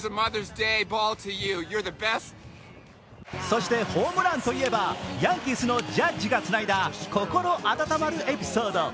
そしてホームランといえばヤンキースのジャッジがつないだ心温まるエピソード。